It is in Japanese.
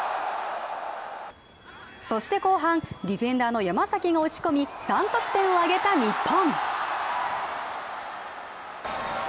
そして後半、ディフェンダーの山崎が押し込み、３得点を挙げた日本。